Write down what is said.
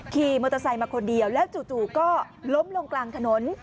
ขี่มอเตอร์ไซค์มาคนเดียวแล้วจู่ก็ล้มลงกลางถนน